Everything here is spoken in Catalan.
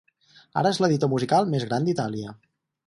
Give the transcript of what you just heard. Ara és l'editor musical més gran d'Itàlia.